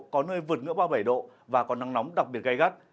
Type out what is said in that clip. có nơi vượt ngựa ba mươi bảy độ và có nắng nóng đặc biệt gây gắt